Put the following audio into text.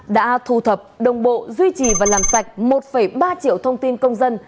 đã thu thập đồng bộ duy trì và làm sạch một ba triệu thông tin công dân